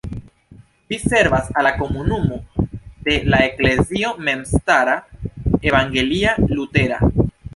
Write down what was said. Ĝi servas al la komunumo de la Eklezio memstara evangelia-lutera.